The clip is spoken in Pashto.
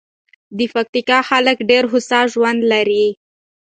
د پکتیکا خلک ډېر هوسا ژوند لري.